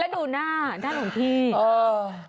แล้วดูหน้าหน้าหลวงพี่